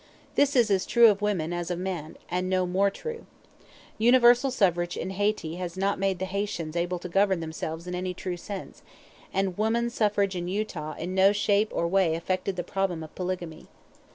This is as true of woman as of man and no more true. Universal suffrage in Hayti has not made the Haytians able to govern themselves in any true sense; and woman suffrage in Utah in no shape or way affected the problem of polygamy.